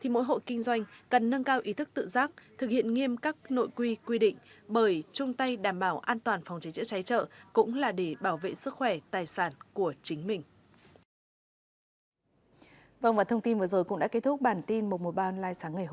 mỗi hộ kinh doanh cần nâng cao ý thức tự giác thực hiện nghiêm các nội quy quy định bởi chung tay đảm bảo an toàn phòng cháy chữa cháy chợ cũng là để bảo vệ sức khỏe tài sản của chính mình